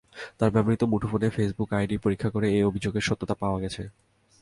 তাঁর ব্যবহৃত মুঠোফোনে ফেসবুক আইডি পরীক্ষা করে এ অভিযোগের সত্যতা পাওয়া গেছে।